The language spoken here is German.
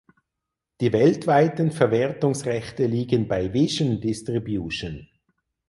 Die weltweiten Verwertungsrechte liegen bei Vision Distribution.